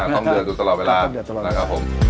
อ่าต้องเดือดอยู่ตลอดเวลา